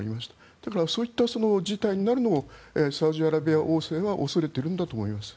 だからそういった事態になるのをサウジアラビア王政は恐れているんだと思います。